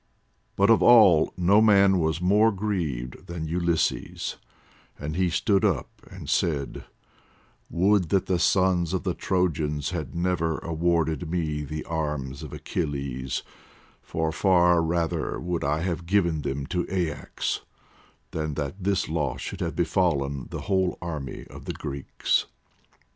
But of all no man was more grieved than Ulysses, and he stood up and said: "Would that the sons of the Trojans had never awarded to me the arms of Achilles, for far rather would I have given them to Aias than that this loss should have befallen the whole army of the Greeks.